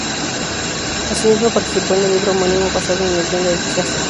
Así mismo participó en el libro homónimo basado en el guion de dicha serie.